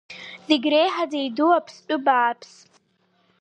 Зегьы реиҳаӡа идуу аԥстәы бааԥсы…